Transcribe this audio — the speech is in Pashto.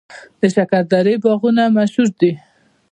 د شکردرې باغونه مشهور دي